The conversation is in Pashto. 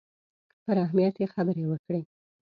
پر اهمیت یې خبرې وکړې.